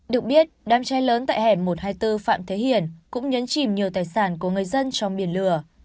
được biết đám cháy lớn tại hẻm một trăm hai mươi bốn phạm thế hiển cũng nhấn chìm nhiều tài sản của người dân trong biển lửa